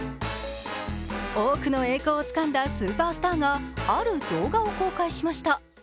多くの栄光をつかんだスーパースターがある動画を公開しました。